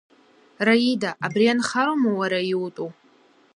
Раида абри анхароума уара иутәу?